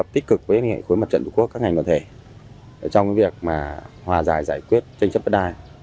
trong việc hòa giải giải quyết tranh chấp bất đai